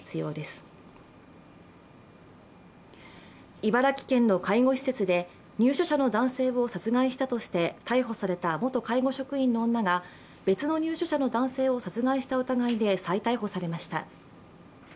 茨城県の介護施設で入所者の男性を殺害したとして逮捕された元介護職員の女が別の入所者の男性を殺害した疑いで再逮捕されました。